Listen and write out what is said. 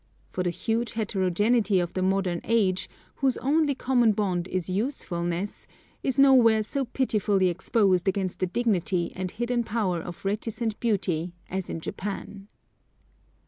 For the huge heterogeneity of the modern age, whose only common bond is usefulness, is nowhere so pitifully exposed against the dignity and hidden power of reticent beauty, as in Japan.